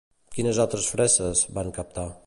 Quines altres fresses van captar?